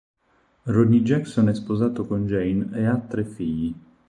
Ronny Jackson è sposato con Jane e ha tre figli.